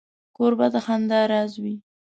کوربه د خندا راز وي.